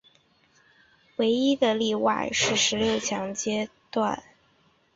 唯一例外是十六强阶段之对赛对伍将不会来自相同国家或于分组赛曾经同组的队伍。